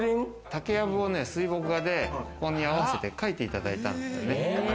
竹やぶを水墨画でここに合わせて描いていただいたんです。